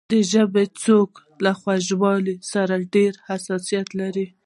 د ژبې څوکه له خوږوالي سره ډېر حساسیت لري.